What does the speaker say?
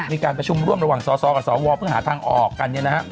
มีการประชุมร่วมระหว่างสสกับสวเพื่อหาทางออกกัน